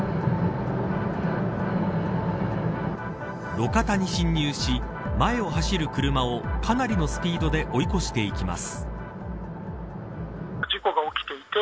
路肩に侵入し前を走る車をかなりのスピードで追い越していきます。